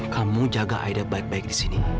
kamu jaga aida baik baik disini